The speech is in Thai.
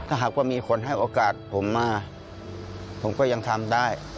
ถ้าหากว่ามีคนให้โอกาสผมมาผมก็ยังทำได้